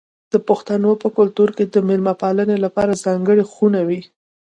د پښتنو په کلتور کې د میلمه پالنې لپاره ځانګړې خونه وي.